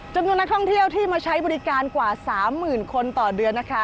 จำนวนนักท่องเที่ยวที่มาใช้บริการกว่า๓๐๐๐คนต่อเดือนนะคะ